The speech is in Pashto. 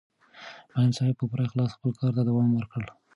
معلم صاحب په پوره اخلاص خپل کار ته دوام ورکړ.